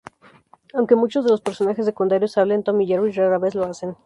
Aunque muchos de los personajes secundarios hablen, Tom y Jerry rara vez lo hacen.